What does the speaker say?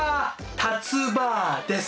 たつ婆です。